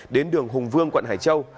đến đường hùng vương quận hải châu